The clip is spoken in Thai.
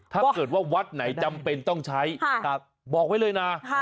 ถ้าเกิดว่าวัดไหนจำเป็นต้องใช้บอกไว้เลยนะ